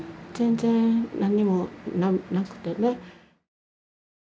全然何もなくてね。